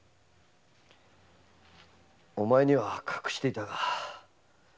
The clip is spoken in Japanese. お前には隠していたが。